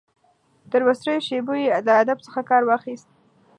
تر وروستیو شېبو یې له ادب څخه کار واخیست.